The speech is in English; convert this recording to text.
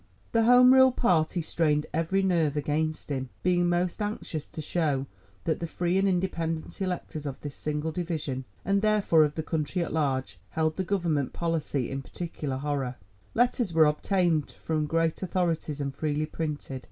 The Home Rule party strained every nerve against him, being most anxious to show that the free and independent electors of this single division, and therefore of the country at large, held the Government policy in particular horror. Letters were obtained from great authorities and freely printed.